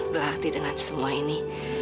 berarti dengan semua ini